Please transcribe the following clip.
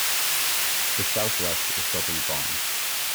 To the southwest is W. Bond.